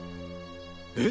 えっ？